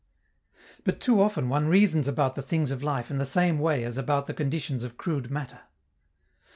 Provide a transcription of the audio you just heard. But too often one reasons about the things of life in the same way as about the conditions of crude matter.